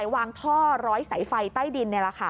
วางท่อรอยไฟไฟใต้ดิน